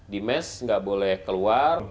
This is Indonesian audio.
di mes nggak boleh keluar